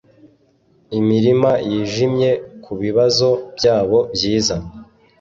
imirima yijimye, kubibazo byabo byiza